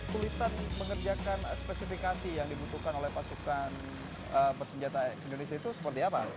sulitan mengerjakan spesifikasi yang dibutuhkan oleh pasukan bersenjata indonesia itu seperti apa